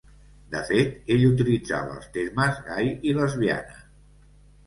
De fet ell utilitzava els termes gai i lesbiana.